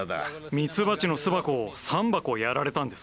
蜜蜂の巣箱を３箱やられたんですか？